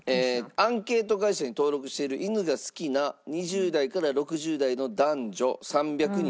アンケート会社に登録している犬が好きな２０代から６０代の男女３００人。